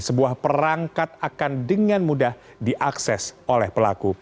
sebuah perangkat akan dengan mudah diakses oleh pelaku